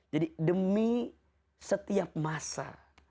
jadi demi setiap masa